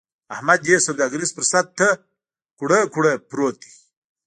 احمد دې سوداګريز فرصت ته کوړۍ کوړۍ پروت دی.